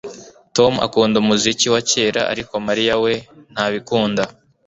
Tom akunda umuziki wa kera ariko Mariya we ntabikunda